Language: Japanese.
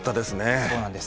そうなんです。